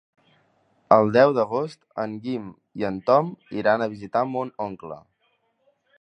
El deu d'agost en Guim i en Tom iran a visitar mon oncle.